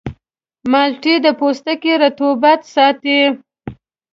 مالټې د پوستکي رطوبت ساتي.